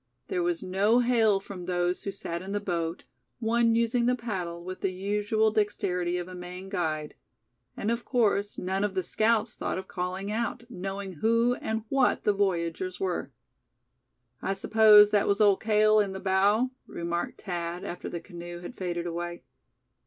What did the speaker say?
There was no hail from those who sat in the boat, one using the paddle with the usual dexterity of a Maine guide; and of course none of the scouts thought of calling out, knowing who and what the voyagers were. "I suppose that was Old Cale in the bow?" remarked Thad, after the canoe had faded away.